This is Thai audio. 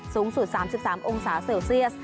สูงสุด๓๓องศาเซลเซียส